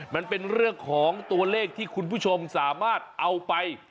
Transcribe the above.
มันเป็นเรื่องของตัวเลขที่คุณผู้ชมสามารถเอาไป